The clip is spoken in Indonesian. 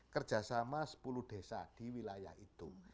kerjasama sepuluh desa di wilayah itu